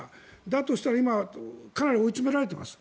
だとしたら今かなり追い詰められています。